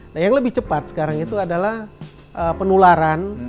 nah yang lebih cepat sekarang itu adalah penularan